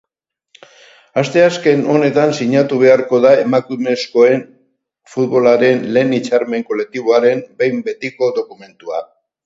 Asteazken honetan sinatu beharko da emakumezkoen futbolaren lehen hitzarmen kolektiboaren behin betiko dokumentua.